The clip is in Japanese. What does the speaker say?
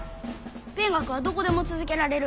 勉学はどこでも続けられる。